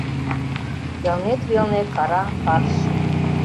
Элнет велне кара карш.